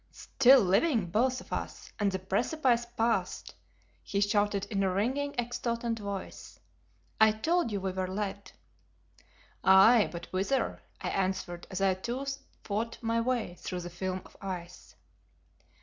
"Still living, both of us, and the precipice passed!" he shouted in a ringing, exultant voice. "I told you we were led." "Aye, but whither?" I answered as I too fought my way through the film of ice.